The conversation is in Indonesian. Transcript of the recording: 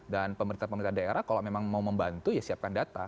dan pemerintah pemerintah daerah kalau memang mau membantu ya siapkan data